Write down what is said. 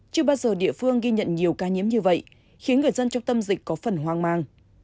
chưa bao giờ địa phương ghi nhận nhiều ca nhiễm như vậy khiến người dân trong tâm dịch có phần hoang mang